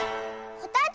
こたつ。